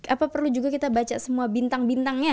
apa perlu juga kita baca semua bintang bintangnya